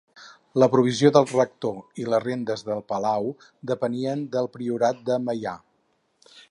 La provisió del rector i les rendes de Palau depenien del priorat de Meià.